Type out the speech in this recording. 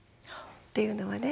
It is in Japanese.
っていうのはね